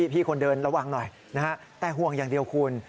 พี่คนเดินระวังหน่อยนะฮะแต่ห่วงอย่างเดียวคุณ